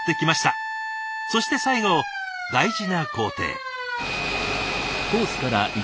そして最後大事な工程。